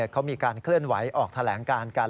เขามีการเคลื่อนไหวออกแถลงการกัน